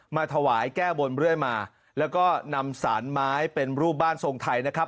มาถวายแก้บนเรื่อยมาแล้วก็นำสารไม้เป็นรูปบ้านทรงไทยนะครับ